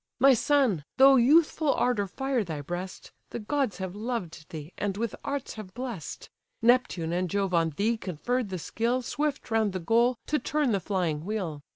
"My son! though youthful ardour fire thy breast, The gods have loved thee, and with arts have bless'd; Neptune and Jove on thee conferr'd the skill Swift round the goal to turn the flying wheel.